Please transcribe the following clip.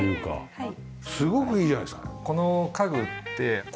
はい。